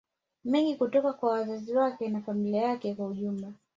mengi kutoka kwa wazazi wake na familia yake kwa ujumla